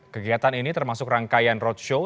kegiatan ini termasuk rangkaian roadshow